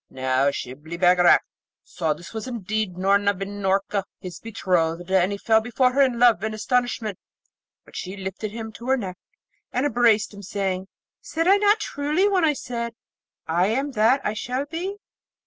Now, Shibli Bagarag saw this was indeed Noorna bin Noorka, his betrothed, and he fell before her in love and astonishment; but she lifted him to her neck, and embraced him, saying, 'Said I not truly when I said "I am that I shall be"?